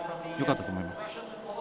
よかったと思います。